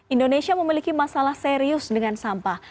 indonesia memiliki masalah serius dengan sampah